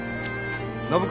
暢子！